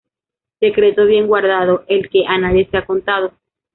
Secreto bien guardado, el que a nadie se ha contado